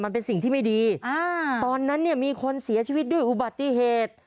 มันเป็นสิ่งที่ไม่ดีอ่าตอนนั้นเนี่ยมีคนเสียชีวิตด้วยอุบัติเหตุ